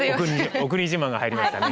お国自慢が入りましたね